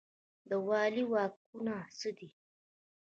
د والي واکونه څه دي؟